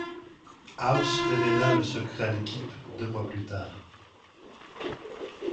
House révèlera le secret à l'équipe deux mois plus tard.